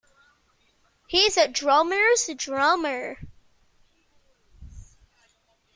He's a drummer's drummer.